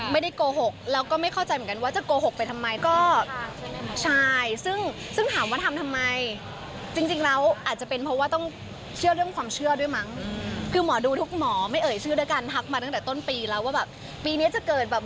ไม่ได้โกหกแล้วก็ไม่เข้าใจเหมือนกันว่าจะโกหกไปทำไม